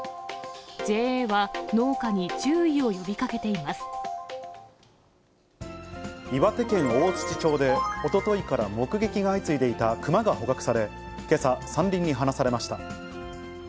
ＪＡは、農家に注意を呼びかけて岩手県大槌町で、おとといから目撃が相次いでいた熊が捕獲され、けさ、山林に放されました。